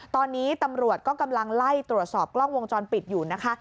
ตอนนี้ตำรวจก็กำลังไล่ตรวจสอบกล้องวงจรปิดอยู่นะคะ